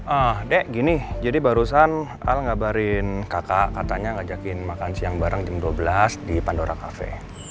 ah dek gini jadi barusan al ngabarin kakak katanya ngajakin makan siang bareng jam dua belas di pandora kafe